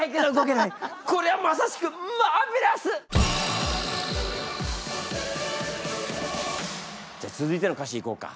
これはまさしくマーベラス！じゃあ続いての歌詞いこうか。